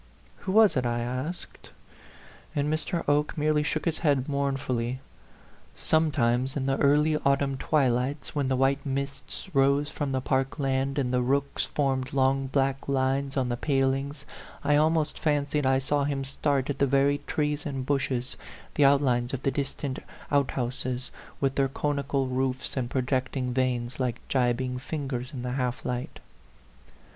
"Who was it?" I asked. And Mr. Oke merely shook his head mournfully. Some times in the early autumn twilights, when the white mists rose from the park land, and the rooks formed long black lines on the palings, I almost fancied I saw him start at the very trees and bushes, the outlines of the distant oasthouses, with their conical roofs 108 A PHANTOM LOVER and projecting vanes, like jibing fingers in the half light.